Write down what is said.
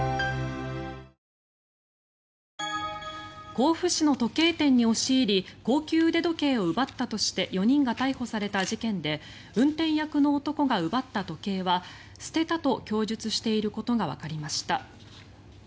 甲府市の時計店に押し入り高級腕時計を奪ったとして４人が逮捕された事件で運転役の男が奪った時計は捨てたと供述していることがわかりました。